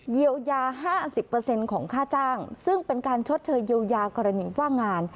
เยียวยา๕๐เปอร์เซ็นต์ของค่าจ้างซึ่งเป็นการชดเชยเยียวยากรณีว่างาน